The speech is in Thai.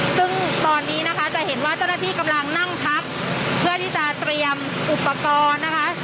ซึ่งตอนนี้นะคะจะเห็นว่าเจ้าหน้าที่กำลังนั่งพักเพื่อที่จะเตรียมอุปกรณ์นะคะ